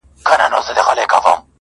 زه پوهېږم شیدې سپیني دي غوا توره!